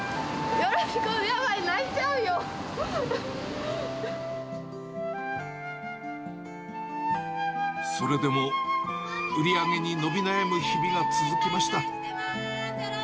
よろしくお願い、それでも、売り上げに伸び悩む日々が続きました。